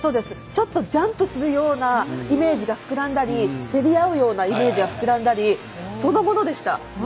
ちょっとジャンプするようなイメージが膨らんだり、競り合うようなイメージが膨らんだりそのものでした。